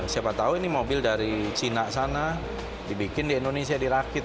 siapa tahu ini mobil dari cina sana dibikin di indonesia dirakit